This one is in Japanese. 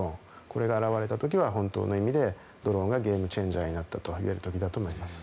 これが現れた時は、本当の意味でドローンがゲームチェンジャーになったと言える時だと思います。